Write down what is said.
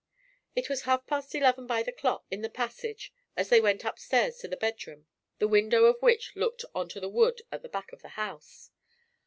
It was half past eleven by the clock in the passage as they went upstairs to the bedroom, the window of which looked on to the wood at the back of the house.